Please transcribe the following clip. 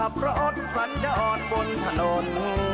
เพราะอดฝันจะอ่อนบนถนน